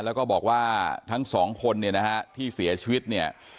แล้วก็บอกว่าทั้งสองคนเนี่ยนะฮะที่เสียชีวิตเนี่ย